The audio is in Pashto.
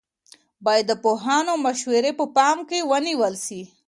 باید د پوهانو مشورې په پام کې ونیول سي.